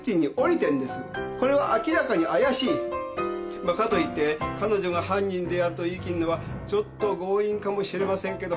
まあかと言って彼女が犯人であると言い切るのはちょっと強引かもしれませんけど。